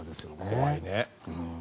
怖いね。